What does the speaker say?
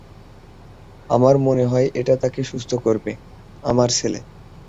আমার মনে হয় এটা তাকে সুস্থ করবে, আমার ছেলে।